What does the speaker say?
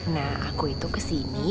nah aku itu kesini